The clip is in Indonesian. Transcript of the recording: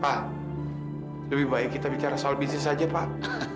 pak lebih baik kita bicara soal bisnis saja pak